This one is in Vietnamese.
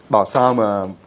bảo sao mà